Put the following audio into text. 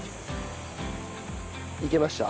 いけました？